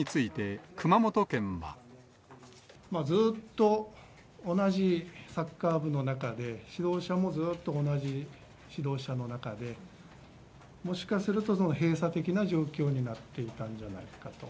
ずっと同じサッカー部の中で、指導者もずっと同じ指導者の中で、もしかすると閉鎖的な状況になっていたんじゃないかと。